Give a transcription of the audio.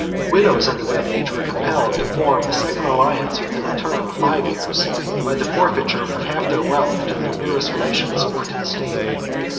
Widows under that age were compelled to form a second alliance within the term of five years, by the forfeiture of half their wealth to their nearest relations, or to the state.